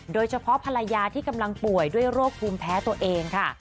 โดยเฉพาะภรรยาที่กำลังป่วยด้วยโรคภูมิแพ้ตัวเองค่ะ